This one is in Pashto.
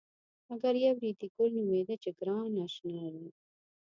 مګر یو ریډي ګل نومېده چې ګران اشنای و.